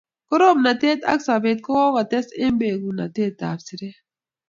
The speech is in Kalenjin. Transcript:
Koromnatet ab sobet kokates eng' bekunetab siret